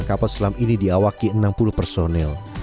kapal selam ini diawaki enam puluh personel